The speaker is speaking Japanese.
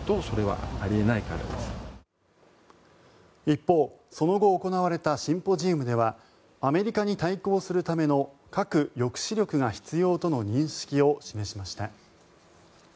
一方、その後行われたシンポジウムではアメリカに対抗するための核抑止力が必要との認識を示しました。